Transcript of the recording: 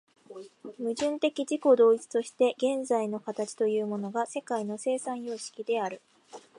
矛盾的自己同一として現在の形というものが世界の生産様式である。